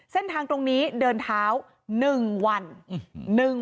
เส้นทางตรงนี้เดินเท้า๑วัน